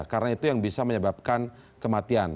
karena itu yang bisa menyebabkan kematian